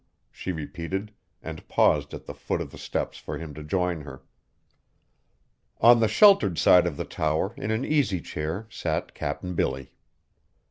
she repeated, and paused at the foot of the steps for him to join her. On the sheltered side of the tower, in an easy chair, sat Cap'n Billy.